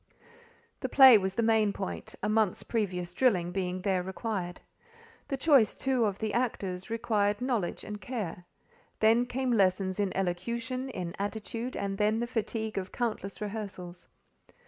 The play was the main point; a month's previous drilling being there required. The choice, too, of the actors required knowledge and care; then came lessons in elocution, in attitude, and then the fatigue of countless rehearsals.